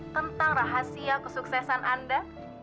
tentang rahasia kesuksesan anda